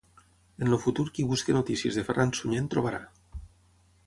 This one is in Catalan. En el futur qui busqui notícies de Ferran Sunyer en trobarà.